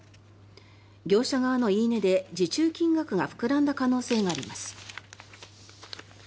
業者側の言い値で受注金額が膨らんだ可能性があります。